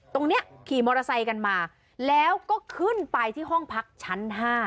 ขี่มอเตอร์ไซค์กันมาแล้วก็ขึ้นไปที่ห้องพักชั้น๕